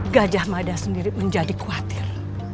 gajah mada sendiri menjadi khawatir